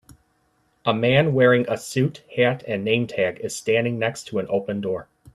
A man wearing a suit, hat, and nametag is standing next to an open door.